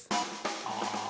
ああ。